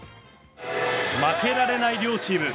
負けられない両チーム。